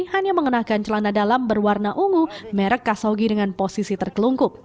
hanya mengenakan celana dalam berwarna ungu merek kasogi dengan posisi terkelungkup